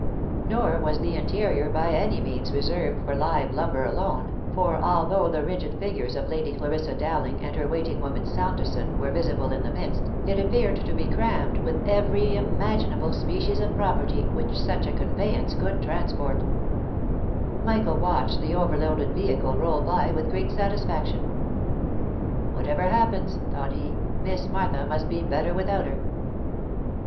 Nor was the interior by any means reserved for live lumber alone, for although the rigid figures of Lady Clarissa Dowling, and her waiting woman, Saunderson, were visible in the midst, it appeared to be crammed with every imaginable species of property which such a conveyance could transport. 368 THE LIFE AND ADVENTURES Michael watched the overloaded vehicle roll by with great satisfac tion. " Whatever happens," thought he, " Miss Martha must be better without her."